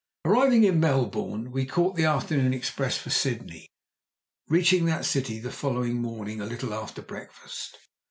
Arriving in Melbourne we caught the afternoon express for Sydney, reaching that city the following morning a little after breakfast.